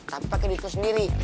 tapi pakai duit lu sendiri